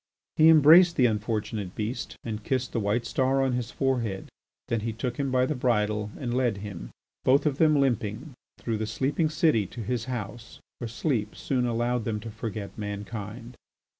He embraced the unfortunate beast and kissed the white star on his forehead. Then he took him by the bridle and led him, both of them limping, trough the sleeping city to his house, where sleep soon allowed them to forget mankind.